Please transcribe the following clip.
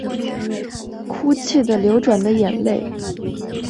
哭泣的流转的眼神